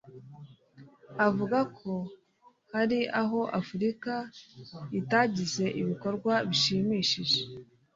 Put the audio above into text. Avuga ko hari aho Afurika itagize ibikorwa bishimishije